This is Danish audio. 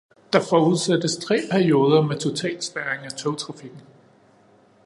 Der forudsættes tre perioder med totalspærring af togtrafikken.